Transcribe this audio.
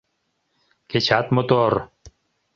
Кечат мотор.